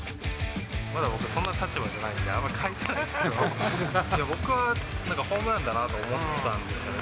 そんな立場じゃないんで、あんまり返せないんですけど、僕はなんかホームランだなと思ったんですよね。